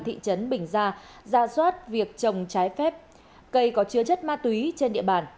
thị trấn bình gia ra soát việc trồng trái phép cây có chứa chất ma túy trên địa bàn